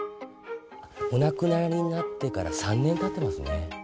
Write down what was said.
お亡くなりになってから３年たってますね。